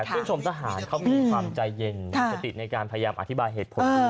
ชื่นชมทหารเขามีความใจเย็นมีสติในการพยายามอธิบายเหตุผล